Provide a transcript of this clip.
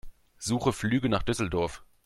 Suche Flüge nach Düsseldorf.